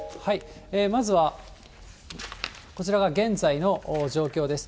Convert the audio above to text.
まずは、こちらが現在の状況です。